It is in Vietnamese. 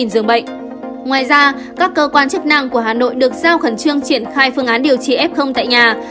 ngoài ra các cơ quan chức năng của hà nội được giao khẩn trương triển khai phương án điều trị f tại nhà